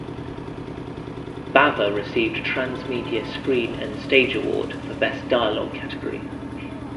Bava received Transmedia Screen and Stage Award for best dialogue category.